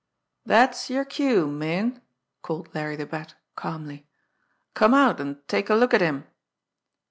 "Dat's yer cue, Meighan," called Larry the Bat calmly. "Come out an' take a look at him!"